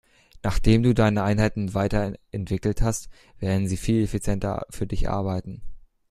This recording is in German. Nachdem du deine Einheiten weiterentwickelt hast, werden sie viel effizienter für dich arbeiten.